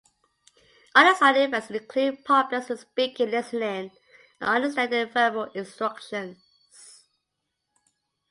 Other side effects include problems with speaking, listening, and understanding verbal instructions.